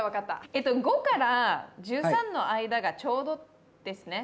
えと５から１３の間がちょうどですね。